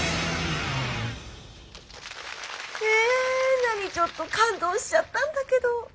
えなにちょっと感動しちゃったんだけど。